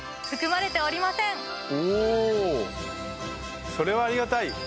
おぉそれはありがたい！